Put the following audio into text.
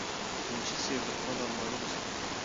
منشي صېب د خپلو ارمانونو سره